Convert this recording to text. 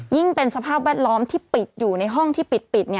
เป็นสภาพแวดล้อมที่ปิดอยู่ในห้องที่ปิด